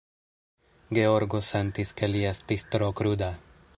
Georgo sentis, ke li estis tro kruda.